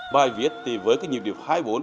bài viết thì với cái nhịp điệp hai mươi bốn